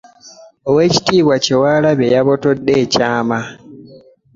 Oweekitiibwa Kyewalabye yabotodde ekyama